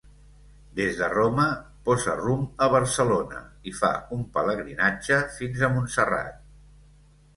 Des de Roma posa rumb a Barcelona i fa un pelegrinatge fins a Montserrat.